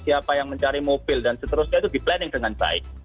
siapa yang mencari mobil dan seterusnya itu di planning dengan baik